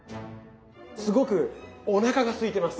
すごくおなかがすいてます。